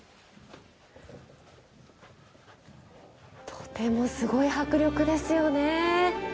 とても、すごい迫力ですよね。